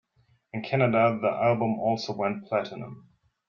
In Canada the album also went Platinum.